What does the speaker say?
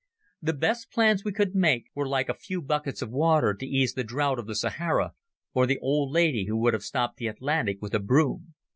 The best plans we could make were like a few buckets of water to ease the drought of the Sahara or the old lady who would have stopped the Atlantic with a broom.